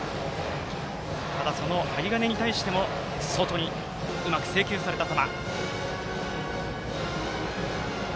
ただ、その針金に対しても外にうまく制球された球。